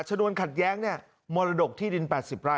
ชะนวนขัดแย้งเนี่ยมรดกที่ดิน๘๐ไร้ครับ